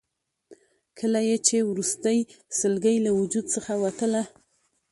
کله یې چې وروستۍ سلګۍ له وجود څخه وتله.